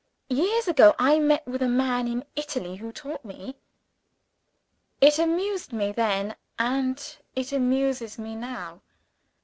Years ago I met with a man in Italy, who taught me. It amused me, then and it amuses me now.